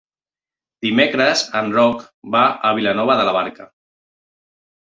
Dimecres en Roc va a Vilanova de la Barca.